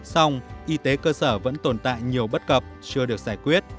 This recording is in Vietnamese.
song y tế cơ sở vẫn tồn tại nhiều bất cập chưa được giải quyết